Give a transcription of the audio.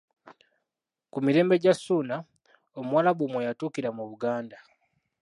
Ku mirembe gya Ssuuna Omuwarabu mwe yatuukira mu Buganda.